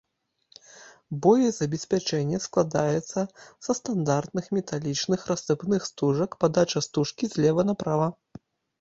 Боезабеспячэнне складаецца са стандартных металічных рассыпных стужак, падача стужкі злева направа.